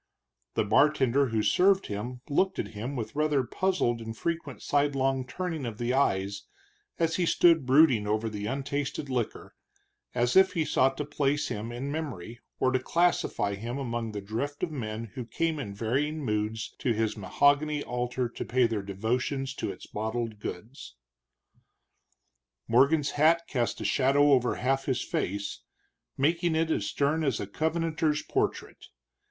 The bartender who served him looked at him with rather puzzled and frequent sidelong turning of the eyes as he stood brooding over the untasted liquor, as if he sought to place him in memory, or to classify him among the drift of men who came in varying moods to his mahogany altar to pay their devotions to its bottled gods. Morgan's hat cast a shadow over half his face, making it as stern as a Covenanter's portrait.